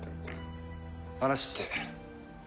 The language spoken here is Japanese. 話って？